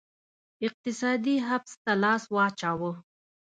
اقتصادي حبس ته لاس واچاوه